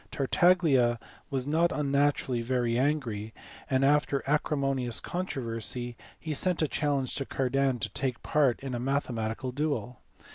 Tartaglia was not unnaturally very angry, and after an acrimonious controversy he sent a challenge to Cardan to take part in a mathematical duel.